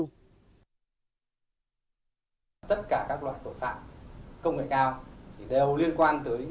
tất cả các loại tội phạm công nghệ cao thì đều liên quan tới